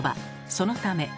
そのため。